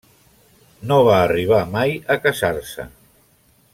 No va arribar mai a casar-se.